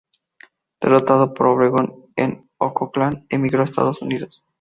Derrotado por Obregón en Ocotlán, emigró a Estados Unidos.